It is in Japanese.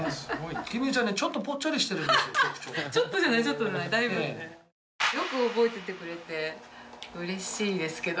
「紀美江ちゃんねちょっとぽっちゃりしてるんですよ」